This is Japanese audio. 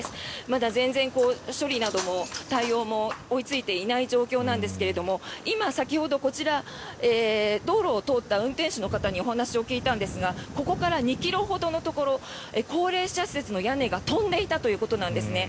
まだ全然、処理なども、対応も追いついていない状況なんですが今、先ほどこちら道路を通った運転手の方にお話を聞いたんですがここから２ｋｍほどのところ高齢者施設の屋根が飛んでいたということなんですね。